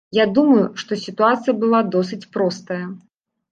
Я думаю, што сітуацыя была досыць простая.